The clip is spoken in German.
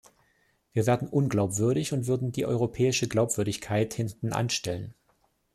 Wir werden unglaubwürdig und würden die europäische Glaubwürdigkeit hintenanstellen.